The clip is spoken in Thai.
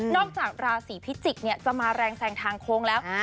นอกจากราศีพิจิกเนี่ยจะมาแรงแสงทางโค้งแล้ว